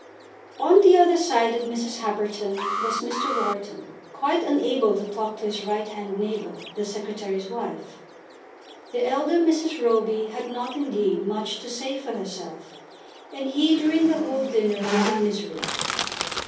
On the other side of Mrs. Happerton was Mr. Wharton, quite unable to talk to his right hand neighbour, the Secretary's wife. The elder Mrs. Roby had not, indeed, much to say for herself, and he during the whole dinner was in misery.